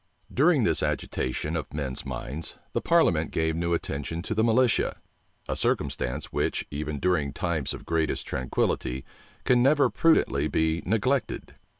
During this agitation of men's minds, the parliament gave new attention to the militia; a circumstance which, even during times of greatest tranquillity, can never prudently be neglected.